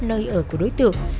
nơi ở của đối tượng